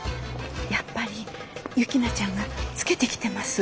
やっぱり雪菜ちゃんがつけてきてます。